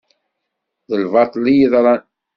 D lbaṭel i yeḍran.